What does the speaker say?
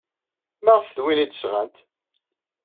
Maɣef d win ay d-sɣant?